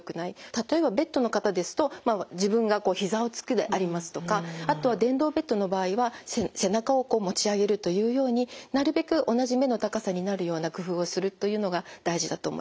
例えばベッドの方ですと自分がこうひざをつくでありますとかあとは電動ベッドの場合は背中をこう持ち上げるというようになるべく同じ目の高さになるような工夫をするというのが大事だと思います。